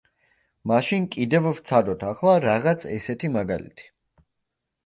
მაშინ კიდევ ვცადოთ ახლა რაღაც ესეთი მაგალითი.